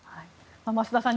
増田さん